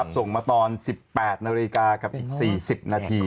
ส่งมาตอน๑๘นาฬิกากับอีก๔๐นาที